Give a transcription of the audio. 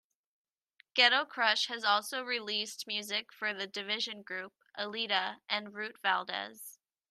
Ghetto Crush has also released music for The Division Group, Aleda and Root Valdez.